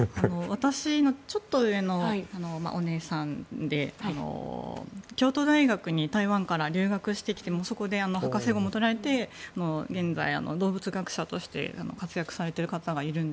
私のちょっと上のお姉さんで京都大学に台湾から留学してきてそこで博士号も取られて現在、動物学者として活躍されている方がいて。